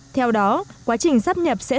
theo đó quá trình sắp nhập sẽ thay đổi